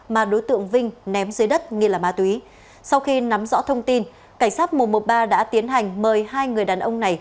mà đối tượng vinh ném dưới đất nghi là ma túy sau khi nắm rõ thông tin cảnh sát một trăm một mươi ba đã tiến hành mời hai người đàn ông này